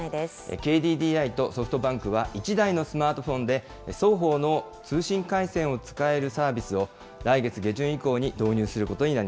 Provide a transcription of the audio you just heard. ＫＤＤＩとソフトバンクは、１台のスマートフォンで双方の通信回線を使えるサービスを、来月下旬以降に導入することになり